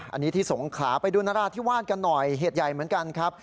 อันนี้ที่สงขลาไปดูนราธิวาสกันหน่อยเหตุใหญ่เหมือนกันครับ